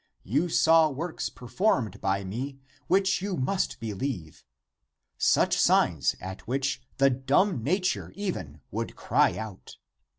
You saw works performed by me which you must believe, such signs at which the dumb nature even would cry out.